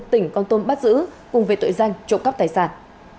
tỉnh con tum bắt giữ cùng về tội danh trộm cắp tài sản